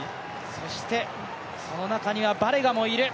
その中にはバレガもいる。